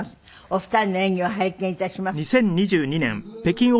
お二人の演技を拝見致します。